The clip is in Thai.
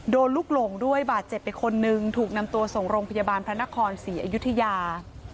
ลูกหลงด้วยบาดเจ็บไปคนนึงถูกนำตัวส่งโรงพยาบาลพระนครศรีอยุธยา